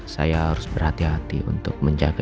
saya harus berhati hati untuk menjaga